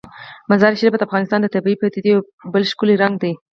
مزارشریف د افغانستان د طبیعي پدیدو یو بل ښکلی رنګ دی.